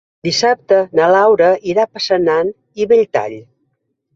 Dissabte na Laura irà a Passanant i Belltall.